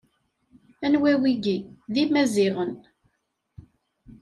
Anwa wigi: D Imaziɣen.